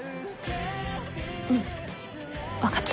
うんわかった。